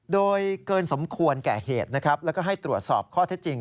โดยเกินสมควรแก่เหตุและให้ตรวจสอบข้อเท็จจริง